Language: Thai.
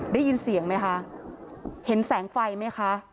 ได้ยินเสียงไหมคะเห็นแสงไฟไหมคะ